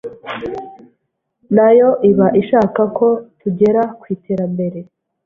nayon iba ishakako tugera ku iterambere